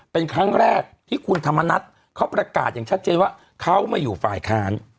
เป็นครั้งแรกที่คุณธรรมนัฐเขาประกาศอย่างชัดเจนว่าเขามาอยู่ฝ่ายค้าน